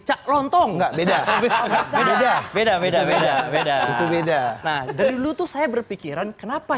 cak lontong enggak beda beda beda beda beda beda itu beda nah dari dulu tuh saya berpikiran kenapa